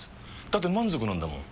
だって満足なんだもん。